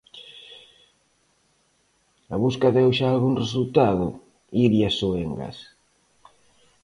A busca deu xa algún resultado, Iria Soengas?